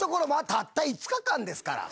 たった５日間ですから。